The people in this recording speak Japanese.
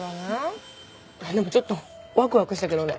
でもちょっとワクワクしたけどね。